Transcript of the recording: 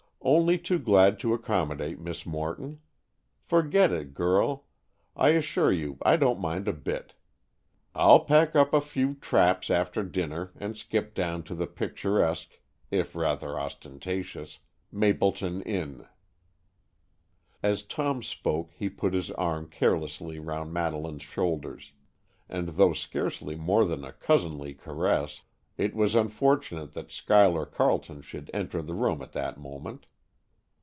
Only too glad to accommodate Miss Morton. Forget it, girl; I assure you I don't mind a bit. I'll pack up a few traps after dinner and skip down to the picturesque, if rather ostentatious, Mapleton Inn." As Tom spoke he put his arm carelessly round Madeleine's shoulders, and though scarcely more than a cousinly caress, it was unfortunate that Schuyler Carleton should enter the room at that moment.